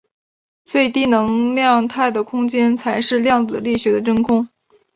最低能量态的空间才是量子力学的真空。